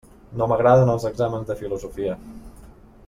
No m'agraden els exàmens de filosofia.